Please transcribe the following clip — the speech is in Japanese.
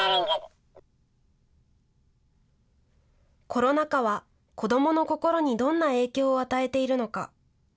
コロナ禍は子どもの心にどんな影響を与えているのか。